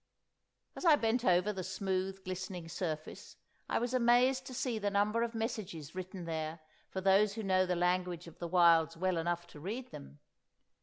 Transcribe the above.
As I bent over the smooth glistening surface, I was amazed to see the number of messages written there for those who know the language of the wilds well enough to read them!